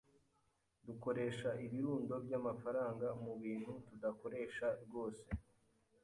Dukoresha ibirundo byamafaranga mubintu tudakoresha rwose.